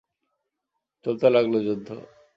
চলতে লাগল যুদ্ধ।